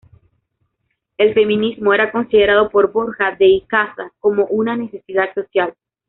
El feminismo era considerado por Borja de Icaza como una necesidad social.